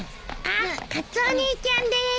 あっカツオ兄ちゃんです。